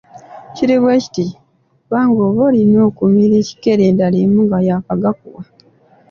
Kiri bwe kiti kubanga oba olina okumira ekkerenda limu nga y’akagakuwa.,